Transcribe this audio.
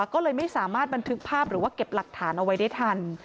ก็เลยไม่สามารถบันทึกภาพหรือว่าเก็บหลักฐานเอาไว้ได้ทัน